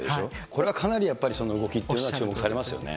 これはかなり動きというのは注目されますよね。